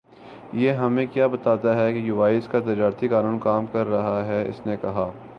یہ ہمیں کِیا بتاتا ہے کہ یوایس کا تجارتی قانون کام کر رہا ہے اس نے کہا